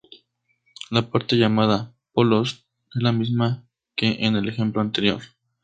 La parte llamada "polos" es la misma que en el ejemplo anterior.